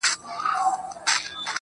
زه به همدغه سي شعرونه ليكم~